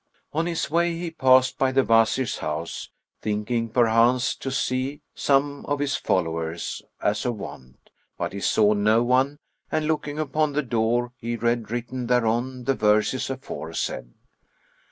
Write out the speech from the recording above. On his way, he passed by the Wazir's house, thinking perchance to see some of his followers as of wont; but he saw no one and, looking upon the door, he read written thereon the verses aforesaid.